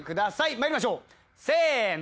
まいりましょうせの！